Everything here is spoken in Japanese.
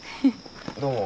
どうも。